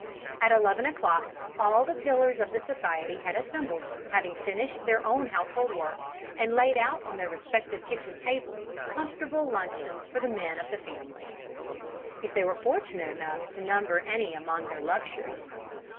At eleven o'clock all the pillars of the society had assembled, having finished their own household work and laid out on their respective kitchen tables comfortable luncheons for the men of the family, if they were fortunate enough to number any among their luxuries.